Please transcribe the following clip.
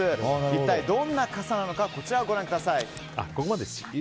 一体どんな傘なのかこちらをご覧ください。